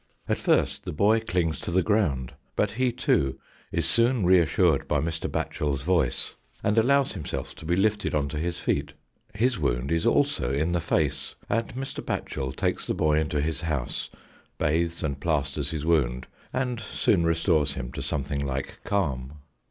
At first the boy clings to the ground, but he, too, is soon reassured by Mr. Batohel's voice, and 118 THE ROCKEEY. allows himself to be lifted on to his feet. His wound is also in the face, and Mr. Batchel takes the boy into his house, bathes and plasters his wound, and soon restores him to something like calm.